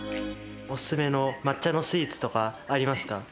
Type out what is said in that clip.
お勧めの抹茶のスイーツとか、ありますか。